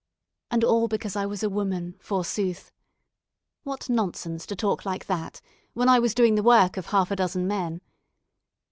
And all because I was a woman, forsooth. What nonsense to talk like that, when I was doing the work of half a dozen men.